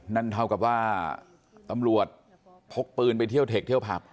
นั่นเท่ากับว่าตำรวจพกปืนไปเที่ยวเทคเที่ยวผับ